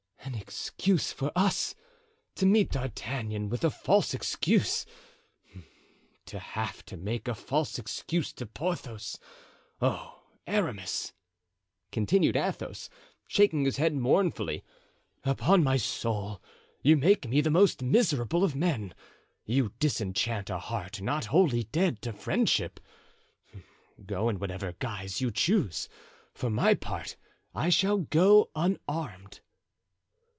"An excuse for us! to meet D'Artagnan with a false excuse! to have to make a false excuse to Porthos! Oh, Aramis!" continued Athos, shaking his head mournfully, "upon my soul, you make me the most miserable of men; you disenchant a heart not wholly dead to friendship. Go in whatever guise you choose; for my part, I shall go unarmed."